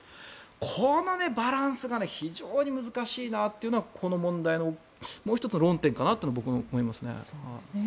このバランスが非常に難しいなというのがこの問題のもう１つの論点かなと僕は思いますね。